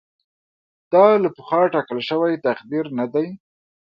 دا له پخوا ټاکل شوی تقدیر نه دی.